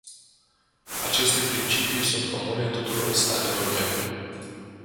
Aceste principii sunt comune tuturor statelor membre.